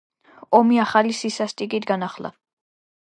ომი ახალი სისასტიკით განახლდა.